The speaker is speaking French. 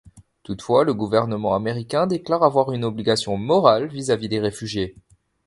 Toutefois le gouvernement américain déclare avoir une obligation morale vis-à-vis des réfugiés.